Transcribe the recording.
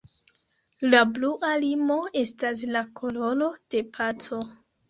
La blua limo estas la koloro de paco.